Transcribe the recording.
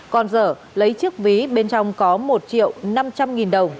còn dở lấy chiếc ví bên trong có một triệu năm trăm linh nghìn đồng